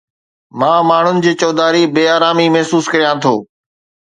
مان ماڻهن جي چوڌاري بي آرامي محسوس ڪريان ٿو